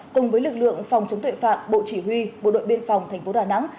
cùng với lực lượng phòng chống tuệ phạm bộ chỉ huy bộ đội biên phòng tp đà nẵng